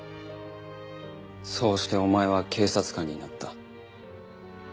そうしてお前は警察官になった。